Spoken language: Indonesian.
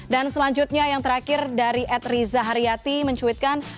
dan selanjutnya yang terakhir dari ed riza haryati mencuitkan